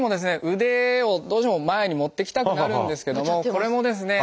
腕をどうしても前に持っていきたくなるんですけどもこれもですね